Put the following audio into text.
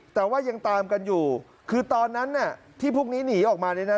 แต่ว่ายังตามกันอยู่คือตอนนั้นเนี่ยที่พวกนี้หนีออกมาเนี่ยนะ